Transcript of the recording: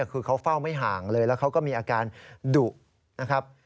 คือเขาเฝ้าไม่ห่างเลยแล้วเขาก็มีอาการดุนะครับ